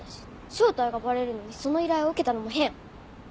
正体がバレるのにその依頼を受けたのも変。